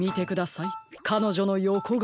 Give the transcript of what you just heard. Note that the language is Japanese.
かのじょのよこがおを。